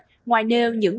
yêu cầu bản cam kết